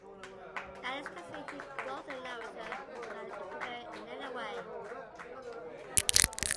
That is to say he quotes the narrator without interfering in any way.